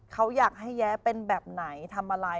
เขาอยากให้แย้เป็นแบบไหนทำอะไร